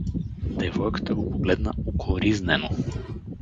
Девойката го погледна укоризнено.